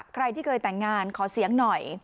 ใครที่เคยแต่งงานขอเสียงหน่อย